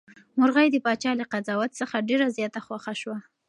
مرغۍ د پاچا له قضاوت څخه ډېره زیاته خوښه شوه.